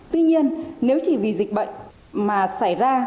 tuy nhiên nếu chỉ vì dịch bệnh mà xảy ra